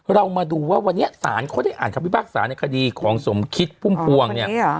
เรามาดูว่าสารเขาได้อ่านคำพิพากษาในคดีของสมคิดพุ่มพวง